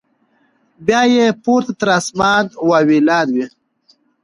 بیا یې پورته تر اسمانه واویلا وي